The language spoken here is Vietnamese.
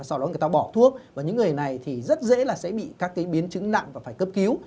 sau đó người ta bỏ thuốc và những người này thì rất dễ là sẽ bị các biến chứng nặng và phải cấp cứu